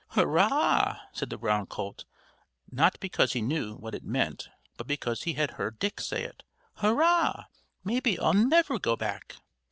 "Hurrah!" said the brown colt, not because he knew what it meant but because he had heard Dick say it. "Hurrah! maybe I'll never go back!"